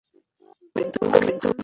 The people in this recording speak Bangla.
আমি তোমাকে ভালোবাসি।